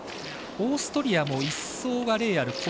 オーストリアも１走はレーアル。